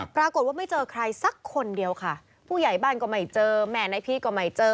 ปรากฏว่าไม่เจอใครสักคนเดียวค่ะผู้ใหญ่บ้านก็ไม่เจอแม่นายพีชก็ไม่เจอ